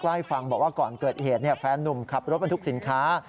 ให้ฟังบอกว่าก่อนเกิดเหตุแฟนนุ่มขับรถบรรทุกสินค้า